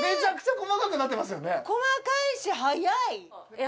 細かいし早い！